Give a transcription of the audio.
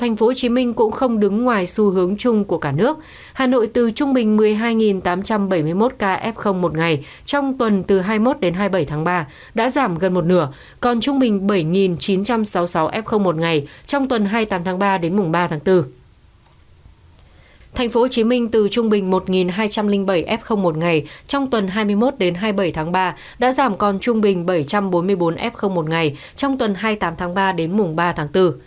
thành phố hồ chí minh từ trung bình một hai trăm linh bảy f một ngày trong tuần hai mươi một đến hai mươi bảy tháng ba đã giảm còn trung bình bảy trăm bốn mươi bốn f một ngày trong tuần hai mươi tám tháng ba đến mùng ba tháng bốn